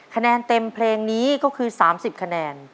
คะแนนเต็มเพลงนี้ก็คือ๓๐คะแนน